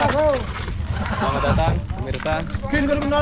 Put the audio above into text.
selamat datang pemirsa